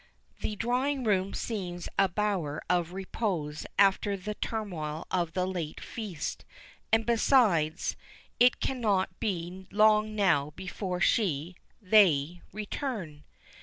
The drawing room seems a bower of repose after the turmoil of the late feast, and besides, it cannot be long now before she they return.